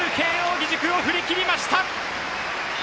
義塾を振り切りました！